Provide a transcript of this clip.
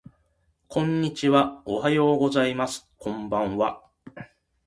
こんにちはおはようございますこんばんは